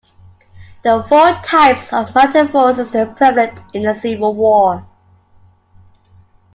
There were four types of mounted forces prevalent in the Civil War.